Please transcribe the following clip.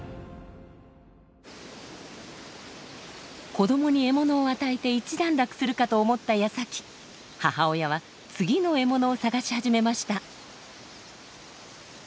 子どもに獲物を与えて一段落するかと思った矢先母親は次の獲物を探し始めました。